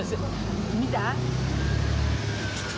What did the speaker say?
見た？